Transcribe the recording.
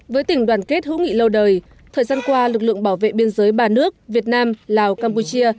với tình đoàn kết hữu nghị lâu đời thời gian qua lực lượng bảo vệ biên giới ba nước việt nam lào campuchia